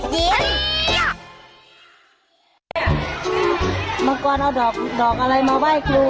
เมื่อก่อนเอาดอกดอกอะไรมาไว้ครู